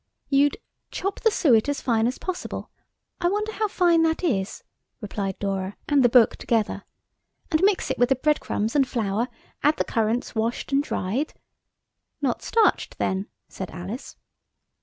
"You'd 'chop the suet as fine as possible'–I wonder how fine that is?" replied Dora and the book together–"'and mix it with the breadcrumbs and flour; add the currants washed and dried.'" "Not starched, then," said Alice.